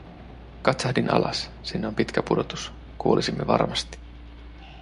Katsahdin alas, sinne on pitkä pudotus, kuolisimme varmasti.